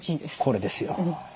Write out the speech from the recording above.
これですよ。